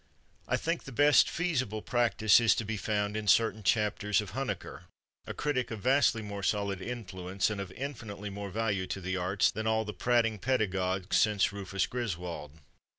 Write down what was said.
I think the best feasible practice is to be found in certain chapters of Huneker, a critic of vastly more solid influence and of infinitely more value to the arts than all the prating pedagogues since Rufus Griswold.